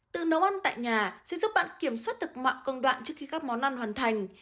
từ nấu ăn tại nhà sẽ giúp bạn kiểm soát được mọi công đoạn trước khi các món ăn hoàn thành